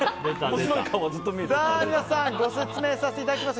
皆さんご説明させていただきます。